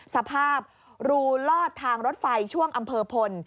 สภาพรูลอดทางรถไฟช่วงอำเภอพล